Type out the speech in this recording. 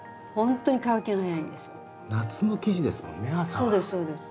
そうですそうです。